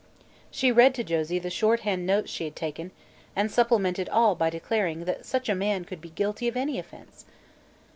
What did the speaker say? She read to Josie the shorthand notes she had taken and supplemented all by declaring that such a man could be guilty of any offense.